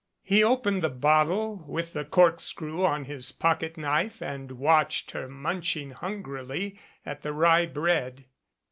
He opened the bottle with the corkscrew on his pocket knife and watched her munching hungrily at the rye bread.